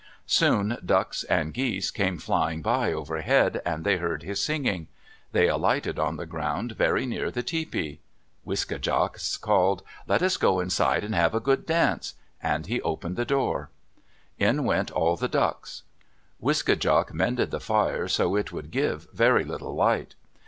Soon ducks and geese came flying by overhead, and they heard his singing. They alighted on the ground very near the tepee. Wiske djak called, "Let us go inside and have a good dance," and he opened the door. In went all the ducks. Wiske djak mended the fire so it would give very little light.